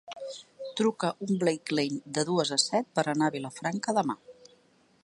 Truca un Blacklane de dues a set per anar a Vilafranca demà.